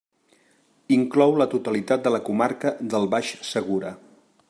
Inclou la totalitat de la comarca del Baix Segura.